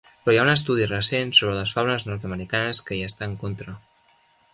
Però hi ha un estudi recent sobre les faunes nord-americanes que hi està en contra.